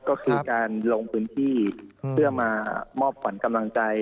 ก็คือการลงพื้นที่เพื่อมามอบขวัญกำลังใจ